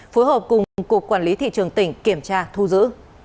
phối hợp cùng cục quản lý thị trường tỉnh kiểm tra thu giữ